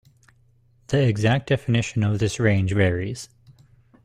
The exact definition of this range varies.